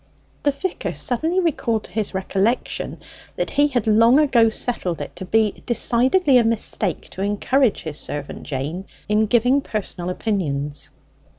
The vicar suddenly recalled to his recollection that he had long ago settled it to be decidedly a mistake to encourage his servant Jane in giving personal opinions.